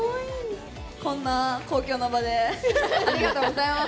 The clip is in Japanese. こんな公共の場でありがとうございます。